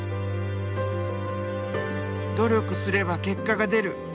努力すれば結果が出る。